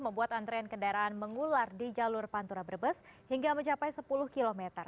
membuat antrean kendaraan mengular di jalur pantura brebes hingga mencapai sepuluh km